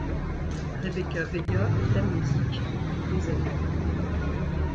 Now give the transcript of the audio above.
Rebecca Vega est amnésique depuis des années.